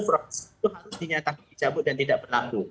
proses itu harus dinyatakan dicabut dan tidak berlaku